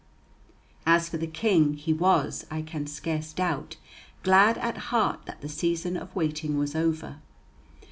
As for the King, he was, I can scarce doubt, glad at heart that the season of waiting was over.